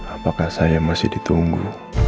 apakah saya masih ditunggu